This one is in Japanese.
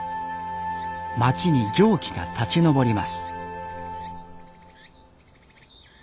町に蒸気が立ち上ります。